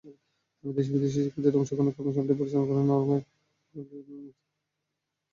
দেশি-বিদেশি শিক্ষার্থীদের অংশগ্রহণে কর্মশালাটি পরিচালনা করবেন নরওয়ের চলচ্চিত্রনির্মাতা নেফিসে ওজকাল লরেন্টজেল।